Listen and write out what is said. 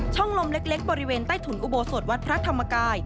ลมเล็กบริเวณใต้ถุนอุโบสถวัดพระธรรมกาย